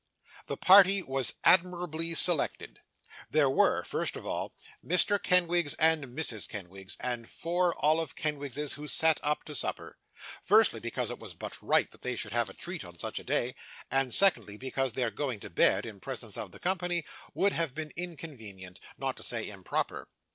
The party was admirably selected. There were, first of all, Mr. Kenwigs and Mrs. Kenwigs, and four olive Kenwigses who sat up to supper; firstly, because it was but right that they should have a treat on such a day; and secondly, because their going to bed, in presence of the company, would have been inconvenient, not to say improper.